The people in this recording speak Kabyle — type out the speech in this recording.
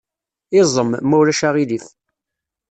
Iẓem, ma ulac aɣilif.